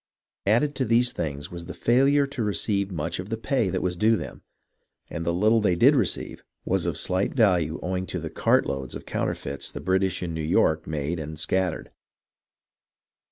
Added to these things was the failure to receive much of the pay that was due them, and the little they did receive was of slight value owing to the "cartloads " of counter feits the British in New York made and scattered.